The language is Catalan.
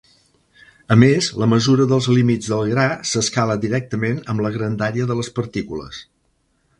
A més, la mesura dels límits del gra s'escala directament amb la grandària de les partícules.